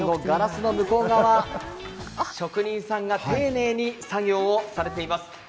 ガラスの向こう側、職人さんが丁寧に作業をされています。